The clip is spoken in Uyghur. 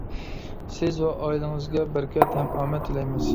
سىز ۋە ئائىلىڭىزگە بەرىكەت ھەم ئامەت تىلەيمىز!